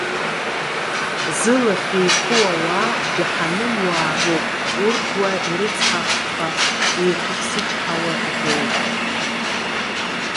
Зылахь еиқәу ауаа, џьаҳанымуаа роуп. Урҭ уа, ирыцҳахәха иқәыԥсычҳауа игылоуп.